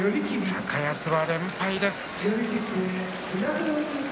高安は連敗です。